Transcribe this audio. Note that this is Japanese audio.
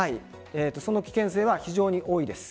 その危険性は非常に多いです。